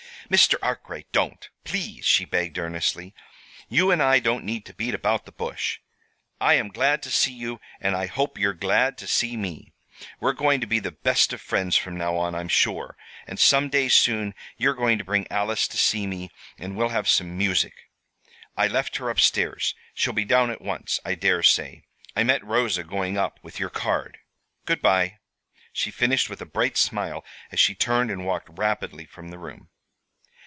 "Mr. Arkwright, don't, please," she begged earnestly. "You and I don't need to beat about the bush. I am glad to see you, and I hope you're glad to see me. We're going to be the best of friends from now on, I'm sure; and some day, soon, you're going to bring Alice to see me, and we'll have some music. I left her up stairs. She'll be down at once, I dare say I met Rosa going up with your card. Good by," she finished with a bright smile, as she turned and walked rapidly from the room.